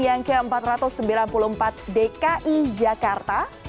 yang ke empat ratus sembilan puluh empat dki jakarta